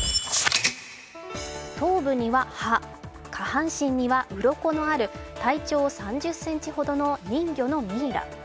頭部には歯下半身にはうろこのある体長３０ｃｍほどの人魚のミイラ。